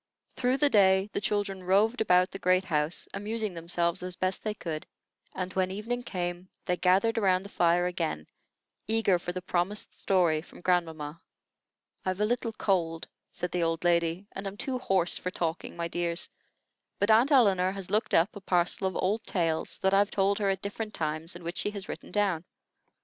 Through the day the children roved about the great house, amusing themselves as best they could; and, when evening came, they gathered around the fire again, eager for the promised story from grandmamma. "I've a little cold," said the old lady, "and am too hoarse for talking, my dears; but Aunt Elinor has looked up a parcel of old tales that I've told her at different times and which she has written down.